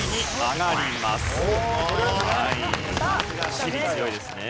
地理強いですね。